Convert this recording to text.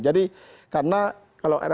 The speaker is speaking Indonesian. jadi karena kalau rrt